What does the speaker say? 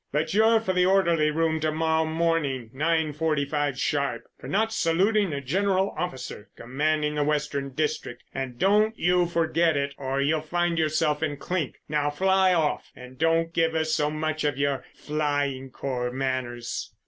But you're for the orderly room to morrow morning, 9.45 sharp, for not saluting the General Officer Commanding the Western District—and don't you forget it, or you'll find yourself in 'clink.' Now, fly off, and don't give us so much of your ... Flying Corps manners."